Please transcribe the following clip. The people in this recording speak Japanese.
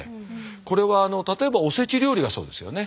これは例えばおせち料理がそうですよね。